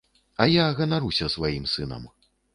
А я ганаруся сваім сынам.